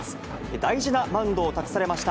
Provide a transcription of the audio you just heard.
大事なマウンドを託されました